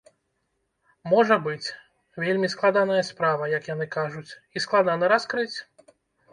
Можа быць, вельмі складаная справа, як яны кажуць, і складана раскрыць.